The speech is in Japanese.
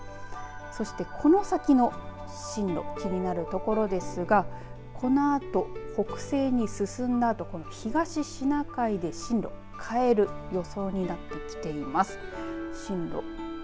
そしてこの先の進路気になるところですがこのあと北西に進んだあと東シナ海で進路を変える予想になってきています。